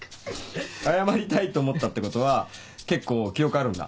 謝りたいと思ったってことは結構記憶あるんだ？